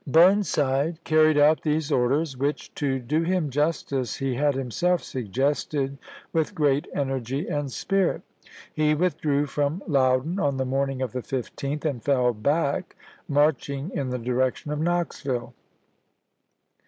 Burnside carried out these orders, which, to do him justice, he had himself suggested, with great energy and spirit. He withdrew from Loudon on Nov., 1863. the morning of the 15th, and fell back, marching in the direction of Knoxville.